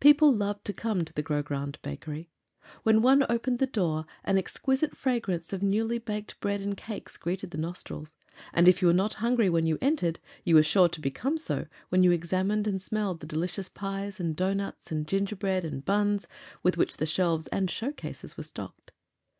People loved to come to the Grogrande Bakery. When one opened the door an exquisite fragrance of newly baked bread and cakes greeted the nostrils; and, if you were not hungry when you entered, you were sure to become so when you examined and smelled the delicious pies and doughnuts and gingerbread and buns with which the shelves and show cases were stocked.